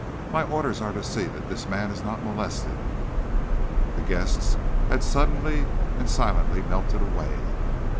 "My orders are to see that this man is not molested." The guests had suddenly and silently melted away.